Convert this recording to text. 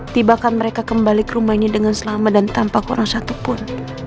tibahkan mereka kembali ke rumah ini dengan selama dan tanpa korang satupun